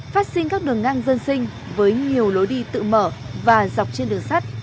phát sinh các đường ngang dân sinh với nhiều lối đi tự mở và dọc trên đường sắt